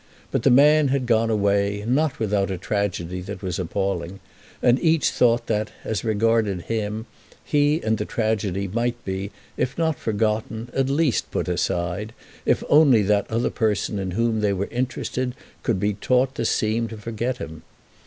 But the man had gone away, not without a tragedy that was appalling; and each thought that, as regarded him, he and the tragedy might be, if not forgotten at least put aside, if only that other person in whom they were interested could be taught to seem to forget him.